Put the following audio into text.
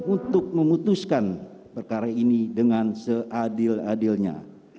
untuk memutuskan perkara ini dengan seadil adilnya